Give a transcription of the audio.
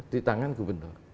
di tangan gubernur